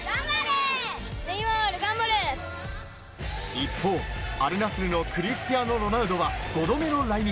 一方、アルナスルのクリスティアーノ・ロナウドは５度目の来日。